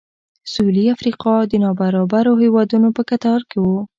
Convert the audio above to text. سوېلي افریقا د نابرابرو هېوادونو په کتار کې و.